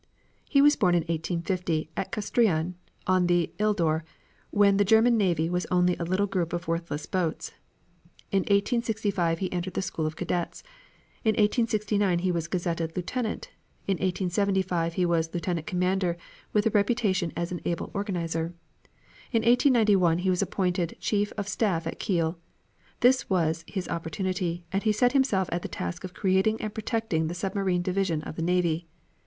He was born in 1850 at Kustrion on the Ildor, when the German navy was only a little group of worthless boats. In 1865 he entered the School of Cadets, in 1869 he was gazetted lieutenant, in 1875 he was lieutenant commander with a reputation as an able organizer. In 1891 he was appointed Chief of Staff at Kiel. This was his opportunity, and he set himself at the task of creating and protecting the submarine division of the navy.